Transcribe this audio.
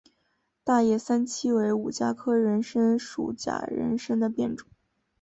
大叶三七为五加科人参属假人参的变种。